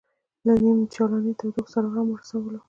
له نیم چالانې تودوخې سره ارام ورسولو.